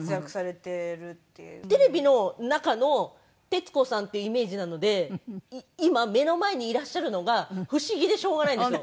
テレビの中の徹子さんっていうイメージなので今目の前にいらっしゃるのが不思議でしょうがないんですよ。